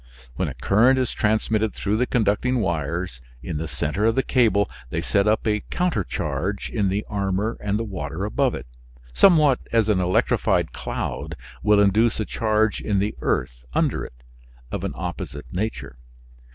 When a current is transmitted through the conducting wires, in the center of the cable, they set up a countercharge in the armor and the water above it, somewhat as an electrified cloud will induce a charge in the earth under it, of an opposite nature.